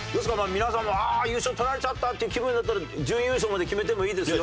皆さんもああ優勝とられちゃったっていう気分だったら準優勝まで決めてもいいですよ。